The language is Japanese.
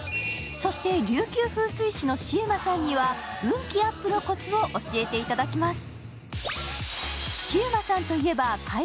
琉球風水志のシウマさんには運気アップのこつを教えていただきます。